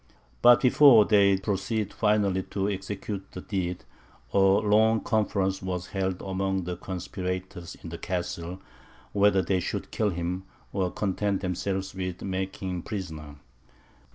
But before they proceeded finally to execute the deed, a long conference was held among the conspirators in the Castle, whether they should kill him, or content themselves with making him prisoner.